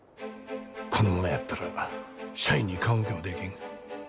このままやったら社員に顔向けもできん。